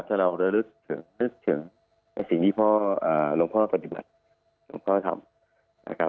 ถ้าเรารึกถึงสิ่งที่หลวงพ่อปฏิบัติหลวงพ่อทำ